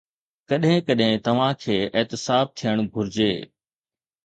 ڪڏهن ڪڏهن توهان کي احتساب ٿيڻ گهرجي.